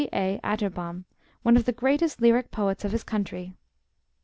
A. Atterbom, one of the greatest lyric poets of his country.